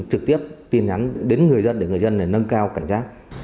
trực tiếp tin nhắn đến người dân để người dân nâng cao cảnh giác